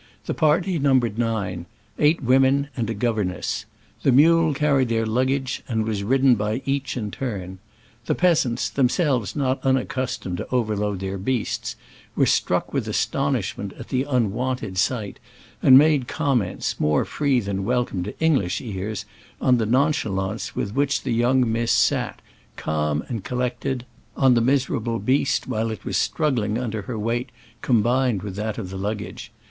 The party num bered nine— eight women and a governess. The mule carried their luggage, and was ridden by each in turn. The peasants — themselves not unaccustomed to overload their beasts — were struck with astonishment at the unwont ed sight, and made comments, more free than welcome to English ears, on the nonchalance with which young miss sat, calm and collected, on the miserable beast, while it was struggling under her weight combined with that of the luggage.